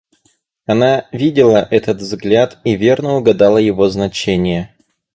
Она видела этот взгляд и верно угадала его значение.